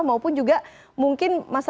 maupun juga mungkin masyarakat yang di sini